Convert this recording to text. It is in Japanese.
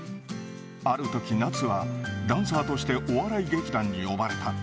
あるとき、夏はダンサーとしてお笑い劇団に呼ばれた。